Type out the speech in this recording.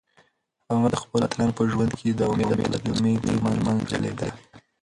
هغه د خپلو اتلانو په ژوند کې د امید او تسلیمۍ ترمنځ جګړه لیده.